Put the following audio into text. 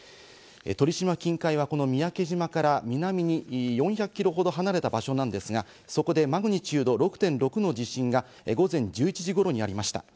鳥島近海はこの三宅島から南に４００キロほど離れた場所なんですが、そこでマグニチュード６．６の地震が午前１１時ごろにありました。